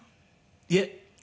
いえ。